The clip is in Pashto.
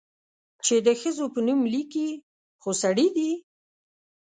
چې د ښځو په نوم ليکي، خو سړي دي؟